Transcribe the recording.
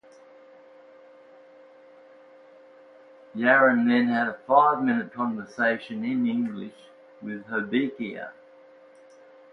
Yaron then had a five-minute conversation, in English, with Hobeika.